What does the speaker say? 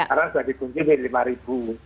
karena sudah dikunci di rp lima dua ratus